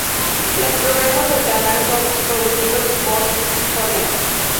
Los programas del canal son producidos por Torneos.